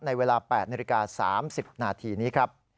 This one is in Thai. ในเวลา๘นาฬิกา๓๐นาทีนี้ครับ